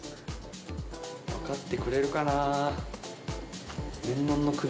分かってくれるかな。